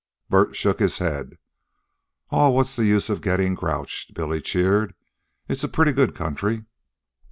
Bert shook his head. "Aw, what's the use of gettin' grouched?" Billy cheered. "It's a pretty good country."